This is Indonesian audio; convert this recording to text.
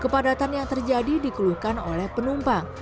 kepadatan yang terjadi dikeluhkan oleh penumpang